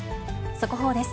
速報です。